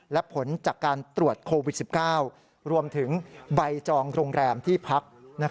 และผลจากการตรวจโควิด๑๙รวมถึงใบจองโรงแรมที่พัก